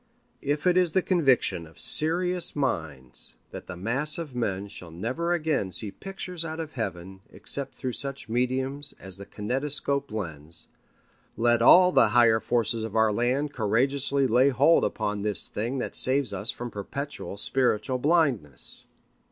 If it is the conviction of serious minds that the mass of men shall never again see pictures out of Heaven except through such mediums as the kinetoscope lens, let all the higher forces of our land courageously lay hold upon this thing that saves us from perpetual spiritual blindness.